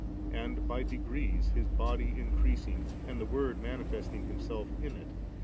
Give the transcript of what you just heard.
And by degrees His body increasing, and the Word manifesting Himself* in it.